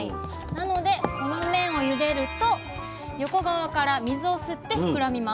なのでこの麺をゆでると横側から水を吸って膨らみます。